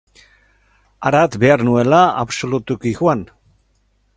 Harat behar nuela absolutuki joan.